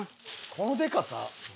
このでかさ？